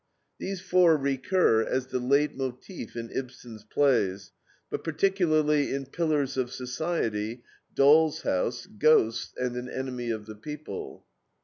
These four recur as the LEITMOTIF in Ibsen's plays, but particularly in PILLARS OF SOCIETY, DOLL'S HOUSE, GHOSTS, and AN ENEMY OF THE PEOPLE.